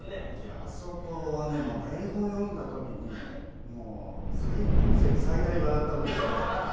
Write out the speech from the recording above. あそこは台本を読んだ時に今世紀、最大笑ったくらい。